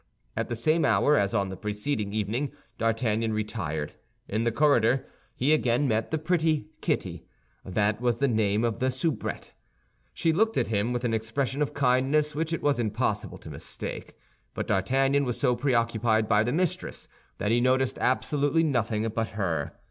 At the same hour as on the preceding evening, D'Artagnan retired. In the corridor he again met the pretty Kitty; that was the name of the soubrette. She looked at him with an expression of kindness which it was impossible to mistake; but D'Artagnan was so preoccupied by the mistress that he noticed absolutely nothing but her.